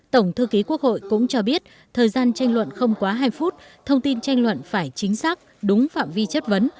tổng thư ký quốc hội cũng cho biết thời gian tranh luận không quá hai phút thông tin tranh luận phải chính xác đúng phạm vi chất vấn